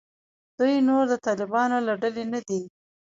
دوی نور د طالبانو له ډلې نه دي.